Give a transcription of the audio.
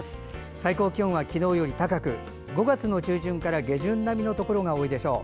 最高気温は昨日より高く５月中旬から下旬並みのところが多いでしょう。